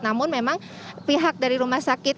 namun memang pihak dari rumah sakit